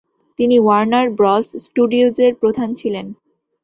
তিনি Warner Bros. স্টুডিওজের প্রধান ছিলেন।